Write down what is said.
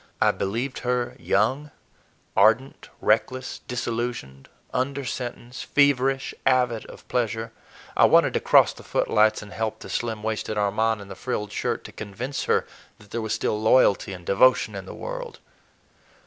I believed her young, ardent, reckless, disillusioned, under sentence, feverish, avid of pleasure. I wanted to cross the footlights and help the slim waisted Armand in the frilled shirt to convince her that there was still loyalty and devotion in the world.